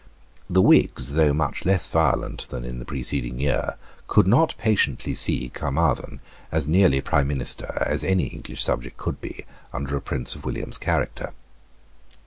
The Whigs, though much less violent than in the preceding year, could not patiently see Caermarthen as nearly prime minister as any English subject could be under a prince of William's character.